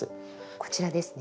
こちらですね。